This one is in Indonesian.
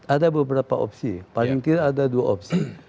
ada beberapa opsi paling tidak ada dua opsi